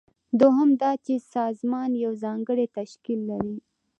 دوهم دا چې سازمان یو ځانګړی تشکیل لري.